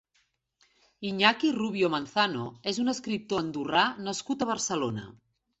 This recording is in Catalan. Iñaki Rubio Manzano és un escriptor andorrà nascut a Barcelona.